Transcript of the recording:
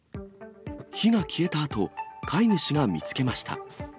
火が消えたあと、飼い主が見つけました。